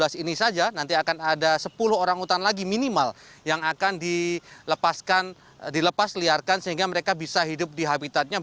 dan ini saja nanti akan ada sepuluh orang utan lagi minimal yang akan dilepas liarkan sehingga mereka bisa hidup di habitatnya